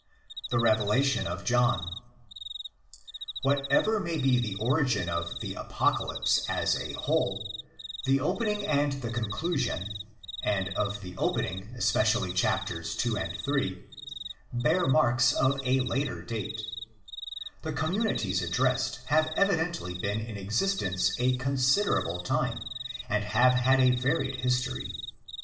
The Revelation of John. Whatever may be the origin of the Apocalypse as a 150 THE EPISTLE TO THE ROMANS whole, the opening and the conclusion, and of the opening especially ce. ii.—iii., bear marks of a later date. The communities addressed have evidently been in existence a considerable time, and have had a varied history.